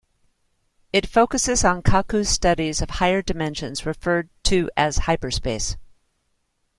It focuses on Kaku's studies of higher dimensions referred to as hyperspace.